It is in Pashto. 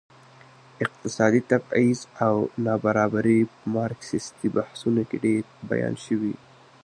اقتصادي تبعيض او نابرابري په مارکسيستي بحثونو کې ډېر بیان شوي.